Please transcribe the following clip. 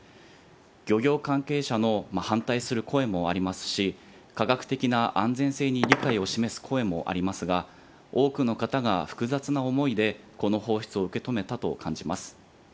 漁業関係者の反対する声もありますし、科学的な安全性に理解を示す声もありますが、多くの方が複雑な思いで、この放出を受け止めたと感じます。